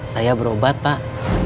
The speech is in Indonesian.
saya berobat pak